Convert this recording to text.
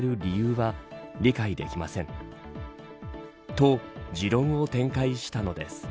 と、持論を展開したのです。